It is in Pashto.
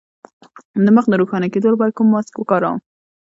د مخ د روښانه کیدو لپاره کوم ماسک وکاروم؟